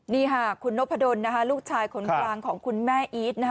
นี่ค่ะคุณนพดลลูกชายคนกลางของคุณแม่อีท